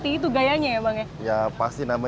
daten marami tapi ramah